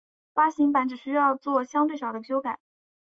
发行版只需要作相对少的修改。